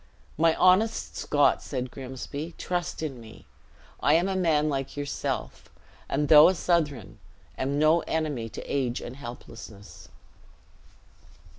"My honest Scot," said Grimsby, "trust in me. I am a man like yourself; and though a Southron, am no enemy to age and helplessness."